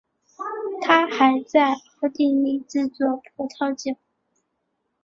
他还在奥地利制作葡萄酒。